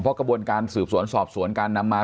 อ๋อเพราะกระบวนการสืบสวนสอบสวนการนำมา